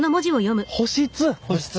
保湿。